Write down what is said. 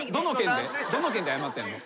どの件で謝ってんの？